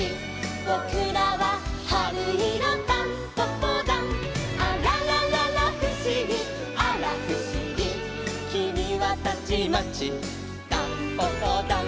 「ぼくらははるいろタンポポだん」「あららららふしぎあらふしぎ」「きみはたちまちタンポポだん」